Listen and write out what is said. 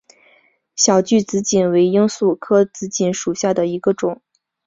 小距紫堇为罂粟科紫堇属下的一个种。